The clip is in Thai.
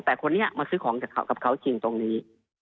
แต่คนนี้มาซื้อของกับเขาจริงตรงนี้